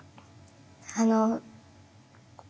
あの。